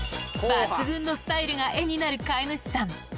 抜群のスタイルが絵になる飼い主さん